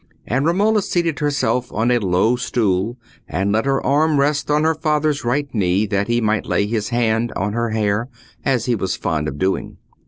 And Romola seated herself on a low stool and let her arm rest on her father's right knee, that he might lay his hand on her hair, as he was fond of doing.